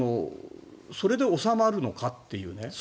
それで収まるのかというね。